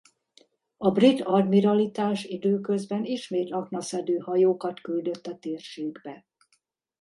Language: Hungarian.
A brit admiralitás időközben ismét aknaszedő hajókat küldött a térségbe.